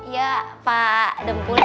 ya pak dempul